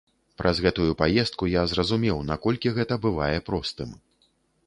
Праз гэтую паездку я зразумеў, наколькі гэта бывае простым.